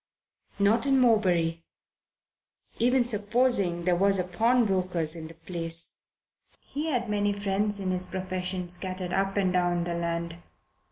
Not in Morebury, even supposing there was a pawnbroker's in the place. He had many friends in his profession, scattered up and down the land.